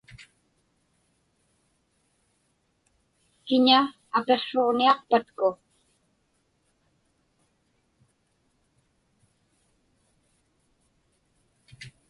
Kiña apiqsruġniaqpatku?